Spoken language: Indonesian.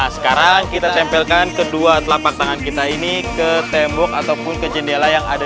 sekarang kita tempelkan kedua telapak tangan kita ini ke tembok ataupun ke jendela yang ada